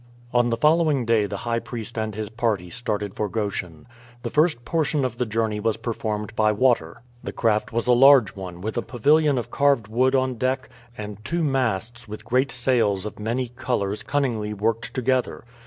On the following day the high priest and his party started for Goshen. The first portion of the journey was performed by water. The craft was a large one, with a pavilion of carved wood on deck, and two masts, with great sails of many colors cunningly worked together.